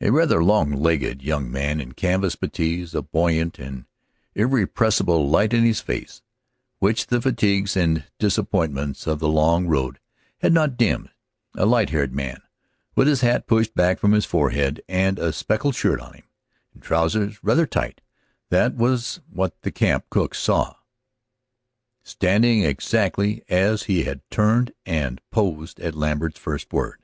A rather long legged young man, in canvas puttees, a buoyant and irrepressible light in his face which the fatigues and disappointments of the long road had not dimmed; a light haired man, with his hat pushed back from his forehead, and a speckled shirt on him, and trousers rather tight that was what the camp cook saw, standing exactly as he had turned and posed at Lambert's first word.